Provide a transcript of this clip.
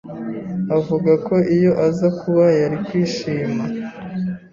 Avuga ko iyo aza kuba yari kwishima.